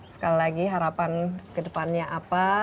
sekali lagi harapan kedepannya apa